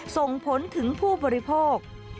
ส่งผลถึงผู้บริโภค